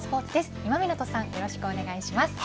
今湊さんよろしくお願いします。